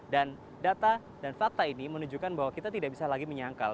dan data dan fakta ini menunjukkan bahwa kita tidak bisa lagi menyangkal